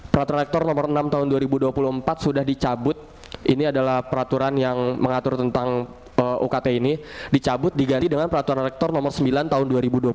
peraturan rektor nomor enam tahun dua ribu dua puluh empat sudah dicabut ini adalah peraturan yang mengatur tentang ukt ini dicabut diganti dengan peraturan rektor nomor sembilan tahun dua ribu dua puluh